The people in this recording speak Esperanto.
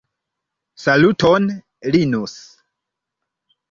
Saluton Linus!